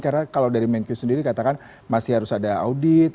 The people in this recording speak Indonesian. karena kalau dari menkyu sendiri katakan masih harus ada audit